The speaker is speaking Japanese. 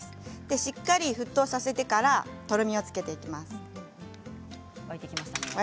しっかり沸騰させてからとろみをつけていきます。